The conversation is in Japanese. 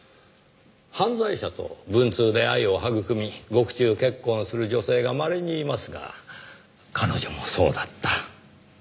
犯罪者と文通で愛を育み獄中結婚する女性がまれにいますが彼女もそうだった。